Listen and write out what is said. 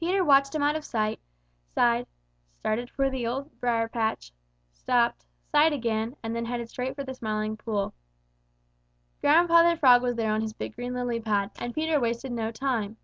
Peter watched him out of sight, sighed, started for the dear Old Briar patch, stopped, sighed again, and then headed straight for the Smiling Pool. Grandfather Frog was there on his big green lily pad, and Peter wasted no time.